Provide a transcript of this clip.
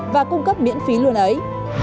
và cung cấp miễn phí luôn ấy